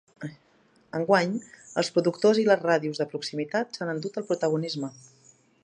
Enguany, els productors i les ràdios de proximitat s’han endut el protagonisme.